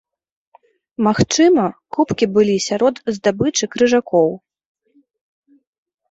Магчыма, кубкі былі сярод здабычы крыжакоў.